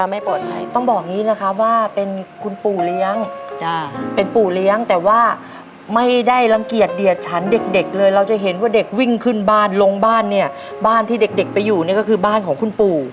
ไม่ปลอดภัยต้องบอกอย่างนี้นะครับว่าเป็นคุณปู่เลี้ยงเป็นปู่เลี้ยงแต่ว่าไม่ได้รังเกียจเดียดฉันเด็กเลยเราจะเห็นว่าเด็กวิ่งขึ้นบ้านลงบ้านเนี่ยบ้านที่เด็กไปอยู่เนี่ยก็คือบ้านของคุณปู่